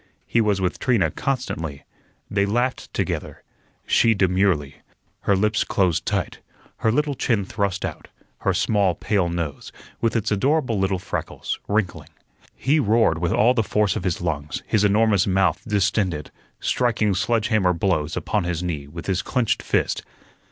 He was with Trina constantly. They laughed together she demurely, her lips closed tight, her little chin thrust out, her small pale nose, with its adorable little freckles, wrinkling; he roared with all the force of his lungs, his enormous mouth distended, striking sledge hammer blows upon his knee with his clenched fist.